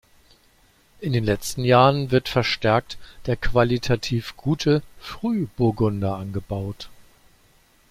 In den letzten Jahren wird verstärkt der qualitativ gute Frühburgunder angebaut.